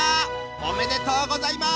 おめでとうございます！